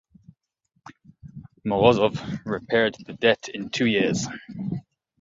Morozov repaid the debt in two years.